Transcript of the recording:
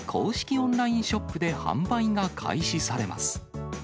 オンラインショップで販売が開始されます。